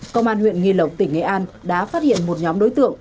công an huyện nghi lộc tỉnh nghệ an đã phát hiện một nhóm đối tượng